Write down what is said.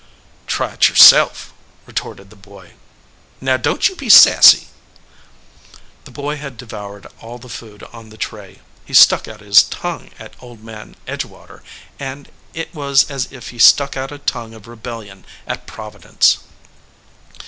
"Try it yourself," retorted the boy. "Now, don t you be sassy." The boy had devoured all the food on the tray. He stuck out his tongue at Old Man Edgewater, and it was as if he stuck out a tongue of rebellion at Providence.